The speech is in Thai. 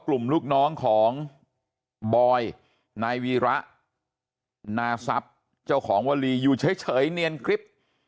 ลูกน้องของบอยนายวีระนาทรัพย์เจ้าของวลีอยู่เฉยเนียนกริ๊บ